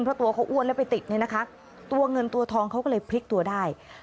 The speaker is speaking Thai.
เพราะตัวเขาอ้วนแล้วไปติดเนี่ยนะคะตัวเงินตัวทองเขาก็เลยพลิกตัวได้